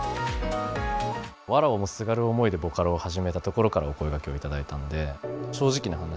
わらをもすがる思いでボカロを始めたところからお声がけをいただいたので正直な話